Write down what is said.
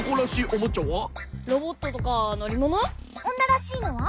おんならしいのは？